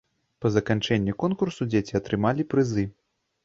Па заканчэнні конкурсу дзеці атрымалі прызы.